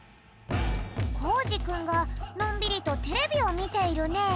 コージくんがのんびりとテレビをみているね。